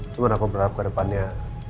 cuma aku berharap ke depannya